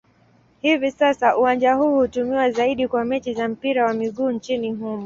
Hivi sasa uwanja huu hutumiwa zaidi kwa mechi za mpira wa miguu nchini humo.